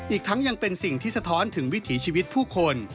อีกทั้งยังเป็นสิ่งที่สะท้อนถึงวิถีชีวิตผู้คน